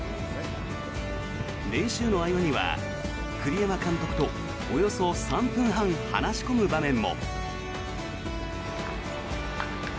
練習の合間には栗山監督とおよそ３分半、話し込む場面も。